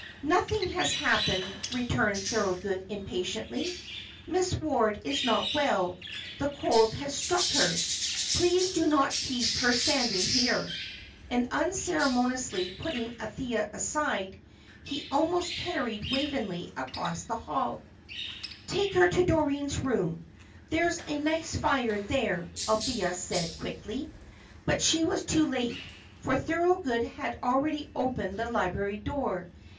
"Nothing has happened," returned Thorold, impatiently. "Miss Ward is not well; the cold has struck her. Please do not keep her standing here." And, unceremoniously putting Althea aside, he almost carried Waveney across the hall. "Take her to Doreen's room. There is a nice fire there," Althea said, quickly. But she was too late, for Thorold had already opened the library door.